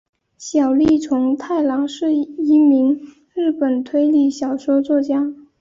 小栗虫太郎是一名日本推理小说作家。